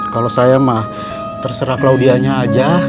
kalau saya mah terserah claudia nya aja